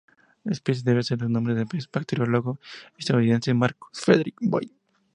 La especie debe su nombre al bacteriólogo estadounidense Marcos Federico Boyd.